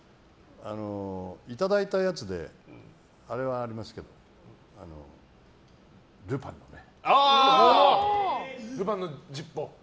いただいたやつであれはありますけど「ルパン」のね。